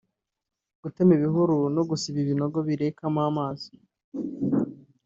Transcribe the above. gutema ibihuru no gusiba ibinogo birekamo amazi